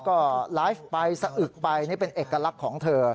ก็ไลฟ์ไปสะอึกไปนี่เป็นเอกลักษณ์ของเธอ